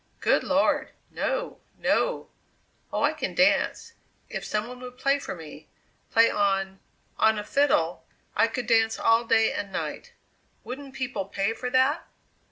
"Good Lord! no, no!" "Oh! I can dance. If some one would play for me play on on a fiddle, I could dance all day and night. Wouldn't people pay for that?"